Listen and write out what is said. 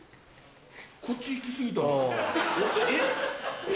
こっちいき過ぎたなえっ？